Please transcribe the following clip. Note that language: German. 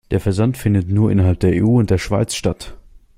Der Versand findet nur innerhalb der EU und der Schweiz statt.